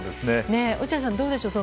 落合さん、どうでしょう。